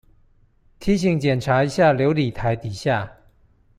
提醒檢查一下流理台底下